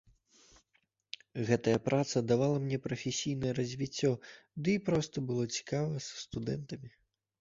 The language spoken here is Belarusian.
Гэтая праца давала мне прафесійнае развіццё, ды і проста было цікава са студэнтамі!